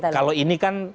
kalau ini kan